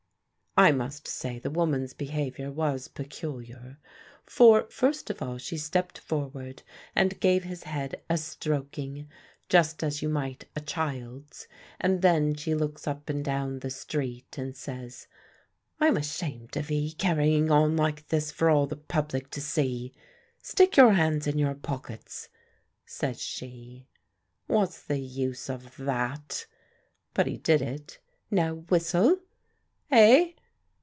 I must say the woman's behaviour was peculiar. For first of all she stepped forward and gave his head a stroking, just as you might a child's, and then she looks up and down the street, and says, "I'm ashamed of 'ee, carryin' on like this for all the public to see. Stick your hands in your pockets," says she. "What's the use of that?" But he did it. "Now whistle." "Eh?"